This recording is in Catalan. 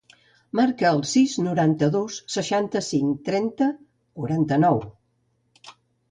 Marca el sis, noranta-dos, seixanta-cinc, trenta, quaranta-nou.